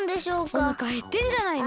おなかへってんじゃないの？